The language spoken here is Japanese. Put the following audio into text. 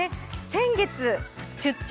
先月「出張！